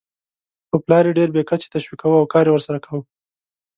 خو پلار یې ډېر بې کچې تشویقاوو او کار یې ورسره کاوه.